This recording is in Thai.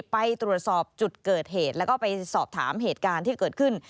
ไปตรวจสอบจุดเกิดเหตุแล้วก็ไปสอบถามเหตุการณ์ที่เกิดขึ้น